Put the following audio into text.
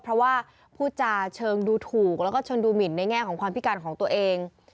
เพราะว่าพูดจาเชิงดูถูกแล้วก็เชิงดูหมินในแง่ของความพิการของตัวเอง